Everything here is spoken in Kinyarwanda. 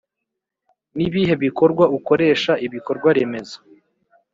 Nibihe Bikorwa ukoresha ibikorwaremezo